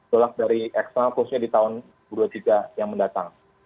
dolar dari eksternal khususnya di tahun dua ribu dua puluh tiga yang mendatang